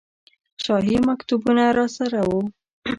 شاهي مکتوبونه راسره وو.